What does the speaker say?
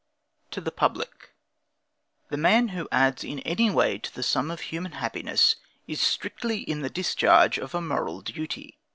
TO THE PUBLIC The man who adds in any way to the sum of human happiness is strictly in the discharge of a moral duty.